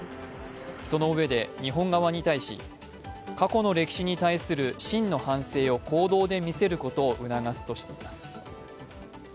そのうえで日本側に対し、過去の歴史に対する真の反省を行動で見せることを促すとしています。